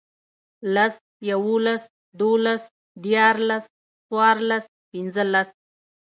لس، يوولس، دوولس، ديارلس، څوارلس، پينځلس